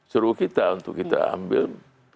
suruh kita untuk kita ambil